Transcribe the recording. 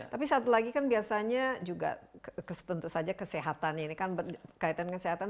tapi satu lagi kan biasanya juga tentu saja kesehatan ini kan berkaitan kesehatan